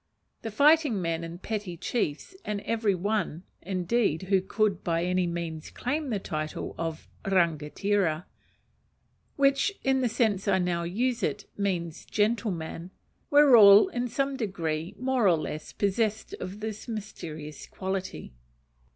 The fighting men and petty chiefs, and every one, indeed, who could by any means claim the title of rangatira which, in the sense I now use it, means gentleman were all in some degree more or less possessed of this mysterious quality.